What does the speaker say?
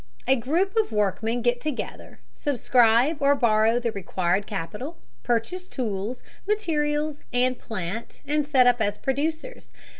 A group of workmen get together, subscribe or borrow the required capital, purchase tools, materials, and plant, and set up as producers.